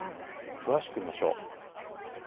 詳しく見ましょう。